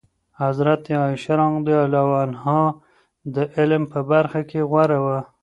حضرت عایشه رضي الله عنها د علم په برخه کې غوره وه.